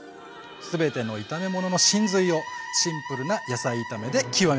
全ての炒め物の神髄をシンプルな野菜炒めで極めましょう。